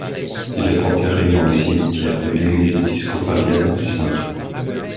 Il est enterré dans le cimetière de l’église épiscopalienne St.